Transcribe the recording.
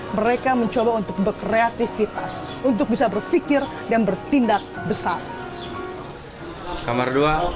mereka mencoba untuk berkreativitas untuk bisa berpikir dan bertindak besar